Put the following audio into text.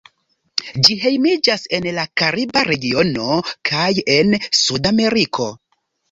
Ĝi hejmiĝas en la kariba regiono kaj en Sudameriko.